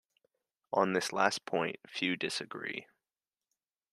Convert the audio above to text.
On this last point, few disagree.